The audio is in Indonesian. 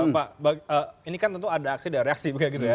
pak ini kan tentu ada aksi dan reaksi